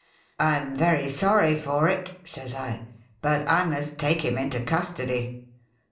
' I 'm very sorry for it,' says I, 'but I must take him into castody.'